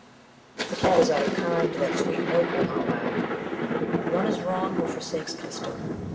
The cat is out of kind that sweet milk will not lap. One is wrong who forsakes custom.